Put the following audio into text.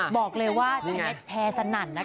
บอกเลยว่าแชร์สนั่นนะคะ